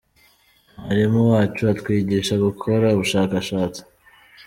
Mwarimu wacu atwigisha gukora ubushakashatsi.